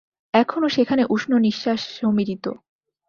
এখনো সেখানে উষ্ণ নিশ্বাস সমীরিত।